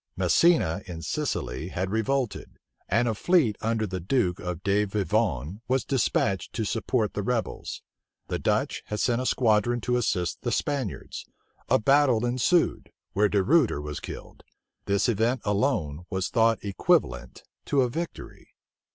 Messina in Sicily had revolted; and a fleet under the duke de Vivonne was despatched to support the rebels. The Dutch had sent a squadron to assist the Spaniards. A battle ensued, where De Ruyter was killed. This event alone was thought equivalent to a victory.